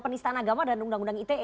penistaan agama dan undang undang ite